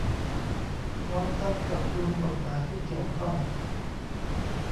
พร้อมทั้งปรับปรุงกฎหมายที่เกี่ยวข้อง